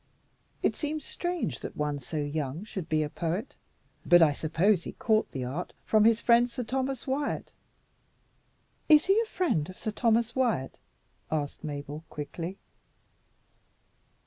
"It seems strange that one so young should be a poet; but I suppose he caught the art from his friend Sir Thomas Wyat." "Is he a friend of Sir Thomas Wyat?" asked Mabel quickly.